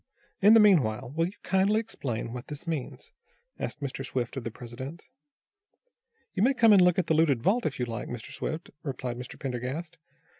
"In the meanwhile will you kindly explain, what this means?" asked Mr. Swift of the president. "You may come and look at the looted vault, if you like, Mr. Swift," replied Mr. Pendergast.